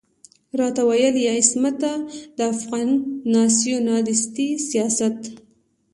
راته ويل يې عصمته د افغان ناسيوناليستي سياست.